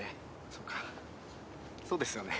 そうかそうですよね。